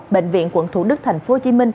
bệnh viện quận thủ đức tp hcm